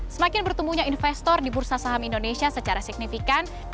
semakin bertumbuhnya investor di bursa saham indonesia secara signifikan